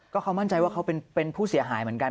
ก็เขามั่นใจว่าเขาเป็นผู้เสียหายเหมือนกัน